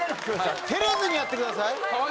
照れずにやってください。